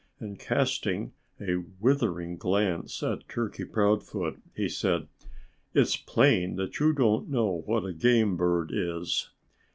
And casting a withering glance at Turkey Proudfoot, he said, "It's plain that you don't know what a game bird is.